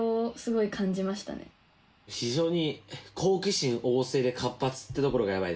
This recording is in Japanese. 非常に。